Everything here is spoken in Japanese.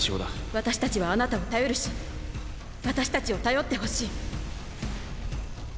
私たちはあなたを頼るし私たちを頼ってほしい。